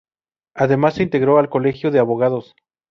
Además, se integró al Colegio de Abogados.